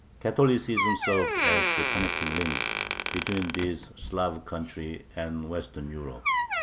Catholicism served as the connecting link between this Slav country and Western Europe.